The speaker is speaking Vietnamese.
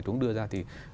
chúng đưa ra thì